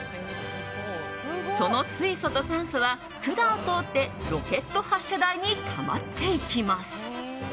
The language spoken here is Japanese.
その水素と酸素は管を通ってロケット発射台にたまっていきます。